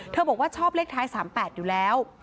บอกว่าชอบเลขท้าย๓๘อยู่แล้ว